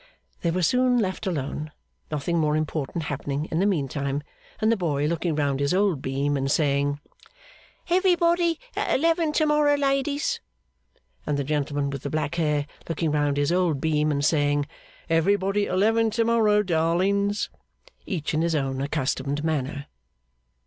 They were soon left alone; nothing more important happening, in the meantime, than the boy looking round his old beam, and saying, 'Everybody at eleven to morrow, ladies!' and the gentleman with the black hair looking round his old beam, and saying, 'Everybody at eleven to morrow, darlings!' each in his own accustomed manner.